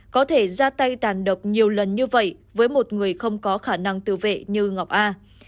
có thể ra tay tàn độc nhiều lần như vậy với một người không có khả năng tự vệ như ngọc a